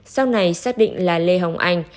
sau này xác định là lê hồng anh